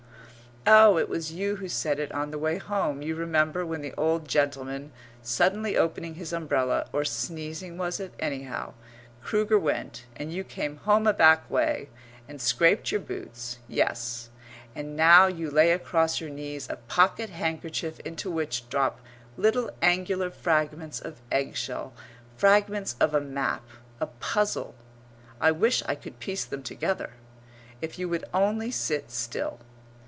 Oh, it was you who said it on the way home, you remember, when the old gentleman, suddenly opening his umbrella or sneezing was it? Anyhow, Kruger went, and you came "home a back way," and scraped your boots. Yes. And now you lay across your knees a pocket handkerchief into which drop little angular fragments of eggshell fragments of a map a puzzle. I wish I could piece them together! If you would only sit still.